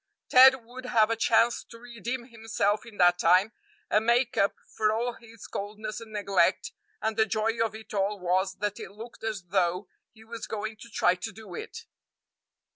Ted would have a chance to redeem himself in that time and make up for all his coldness and neglect; and the joy of it all was that it looked as though he was going to try to do it.